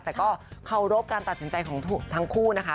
แต่ก็เคารพการตัดสินใจของทั้งคู่นะคะ